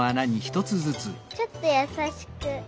ちょっとやさしく。